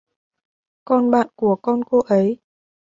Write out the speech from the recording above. con bạn của con cô ấy